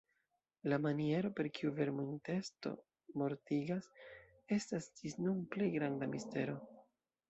La maniero, per kiu "vermo-intesto" mortigas, estas ĝis nun plej granda mistero.